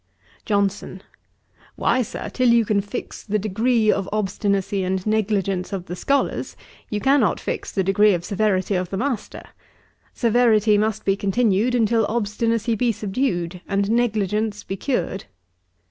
JOHNSON. 'Why, Sir, till you can fix the degree of obstinacy and negligence of the scholars, you cannot fix the degree of severity of the master. Severity must be continued until obstinacy be subdued, and negligence be cured.'